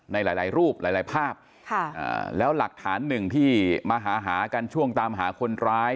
ในหลายรูปหลายภาพแล้วหลักฐานหนึ่งที่มาหาหากันช่วงตามหาคนร้าย